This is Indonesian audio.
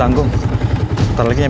saya harus kerja